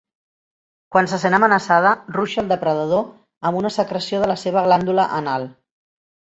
Quan se sent amenaçada, ruixa al depredador amb una secreció de la seva glàndula anal.